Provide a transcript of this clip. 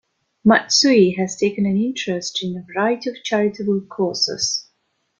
Matsui has taken an interest in a variety of charitable causes.